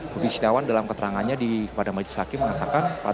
rubi sitiawan dalam keterangannya di majlis haki mengatakan